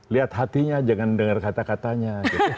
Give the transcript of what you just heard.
lihat hatinya jangan dengar kata katanya